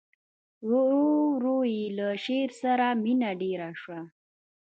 ورو ورو یې له شعر سره مینه ډېره شوه